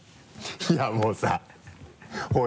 いやもうさ